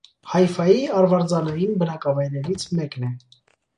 Հայֆայի արվարձանային բնակավայրերից մեկն է։